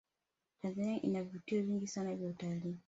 tanzania ina vivutio vingi sana vya utalii